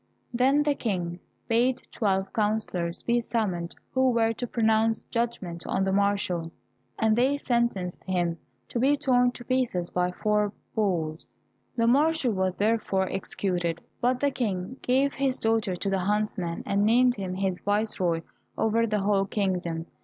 Then the King bade twelve councillors be summoned who were to pronounce judgment on the marshal, and they sentenced him to be torn to pieces by four bulls. The marshal was therefore executed, but the King gave his daughter to the huntsman, and named him his viceroy over the whole kingdom.